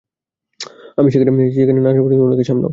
আমি সেখানে না আসা পর্যন্ত উনাকে সামলাও।